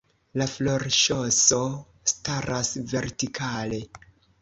La florŝoso staras vertikale.